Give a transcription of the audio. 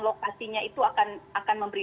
lokasinya itu akan memberi